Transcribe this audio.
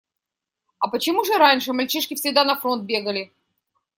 А почему же раньше мальчишки всегда на фронт бегали?